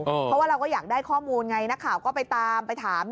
เพราะว่าเราก็อยากได้ข้อมูลไงนักข่าวก็ไปตามไปถาม